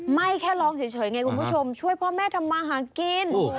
ไม่แค่ร้องเฉยไงคุณผู้ชมช่วยพ่อแม่ทำมาหากิน